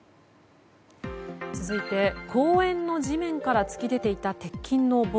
続いて公園の地面から突き出ていた鉄筋の棒。